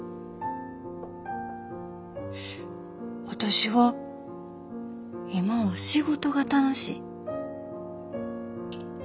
私は今は仕事が楽しい。